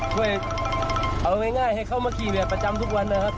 ช่วยเอาง่ายให้เขามาขี่แบบประจำทุกวันนะครับ